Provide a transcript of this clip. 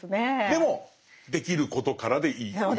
でもできることからでいいっていう。